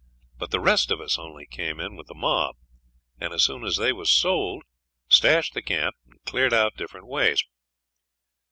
But the rest of us only come in with the mob, and soon as they was sold stashed the camp and cleared out different ways.